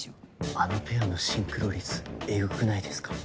あのペアのシンクロ率エグくないですか？